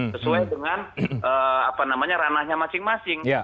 sesuai dengan apa namanya ranahnya masing masing